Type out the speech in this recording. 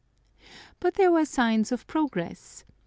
But there were signs of progress.